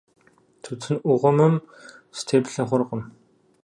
Тутын Ӏугъуэмэм сытеплъэ хъуркъыми.